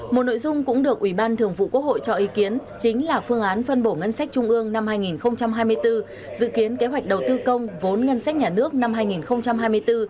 một nội dung cũng được ủy ban thường vụ quốc hội cho ý kiến chính là phương án phân bổ ngân sách trung ương năm hai nghìn hai mươi bốn dự kiến kế hoạch đầu tư công vốn ngân sách nhà nước năm hai nghìn hai mươi bốn